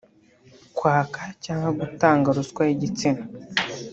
kwaka cyangwa gutanga ruswa y’igitsina